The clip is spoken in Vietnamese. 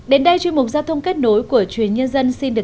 hãy đăng ký kênh để ủng hộ kênh của chúng mình nhé